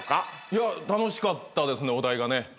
楽しかったですねお題がね。